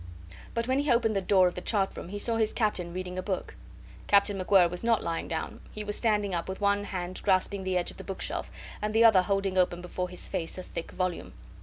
But when he opened the door of the chart room he saw his captain reading a book. Captain MacWhirr was not lying down: he was standing up with one hand grasping the edge of the bookshelf and the other holding open before his face a thick volume.